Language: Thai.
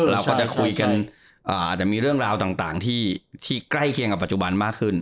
เราก็จะคุยกันอาจจะมีเรื่องราวต่างที่ใกล้เคียงกับปัจจุบันมากขึ้น